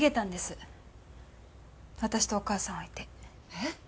えっ？